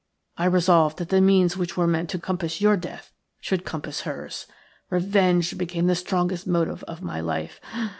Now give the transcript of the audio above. I resolved that the means which were meant to compass your death should compass hers. Revenge became the strongest motive of my life.